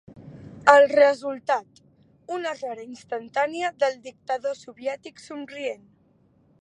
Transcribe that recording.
El resultat: una rara instantània del dictador soviètic somrient.